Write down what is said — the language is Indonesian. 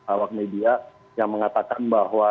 awak media yang mengatakan bahwa